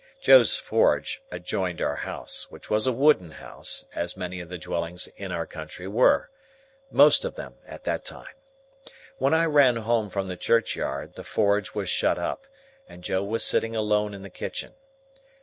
Joe's forge adjoined our house, which was a wooden house, as many of the dwellings in our country were,—most of them, at that time. When I ran home from the churchyard, the forge was shut up, and Joe was sitting alone in the kitchen.